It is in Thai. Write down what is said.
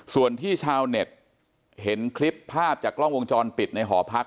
ส่วนที่ชาวเน็ตเห็นคลิปภาพจากกล้องวงจรปิดในหอพัก